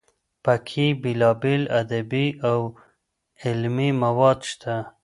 پکې بېلابېل ادبي او علمي مواد شته.